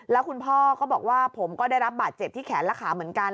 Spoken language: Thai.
แล้วคุณพ่อก็บอกว่าผมก็ได้รับบาดเจ็บที่แขนและขาเหมือนกัน